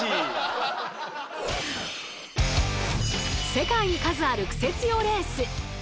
世界に数あるクセつよレース。